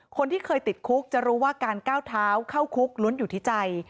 คนที่เคยติดคุกจะรู้ว่าการก้าวเท้าเข้าคุกล้วนอยู่ที่ใจ